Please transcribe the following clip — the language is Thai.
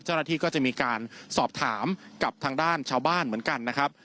เจ้าหน้าที่ก็จะมีการสอบถามกับทางด้านชาวบ้านเหมือนกันนะครับ